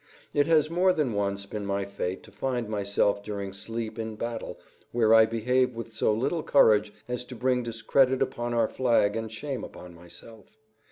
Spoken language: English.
It has more than once been my fate to find myself during sleep in battle, where I behave with so little courage as to bring discredit upon our flag and shame upon myself.